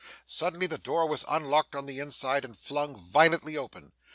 Suddenly the door was unlocked on the inside, and flung violently open.